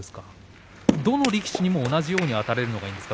どの力士にも同じようにあたるのがいいんですか？